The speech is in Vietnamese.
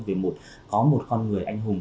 về có một con người anh hùng